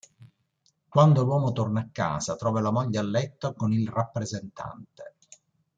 Quando l'uomo torna a casa, trova la moglie a letto con il rappresentante.